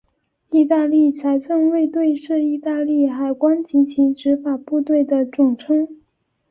意大利财政卫队是意大利海关及其执法部队的总称。